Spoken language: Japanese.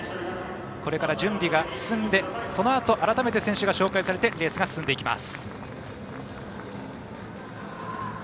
これから準備が進んでこのあと改めて選手が紹介されてレースが進みます。